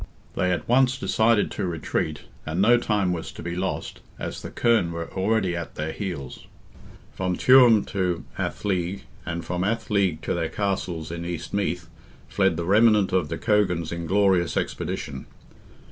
They at once decided to retreat, and no time was to be lost, as the Kern were already at their heels. From Tuam to Athleague, and from Athleague to their castles in East Meath, fled the remnant of de Cogan's inglorious expedition.